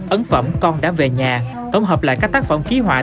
ấn phẩm con đã về nhà tổng hợp lại các tác phẩm ký họa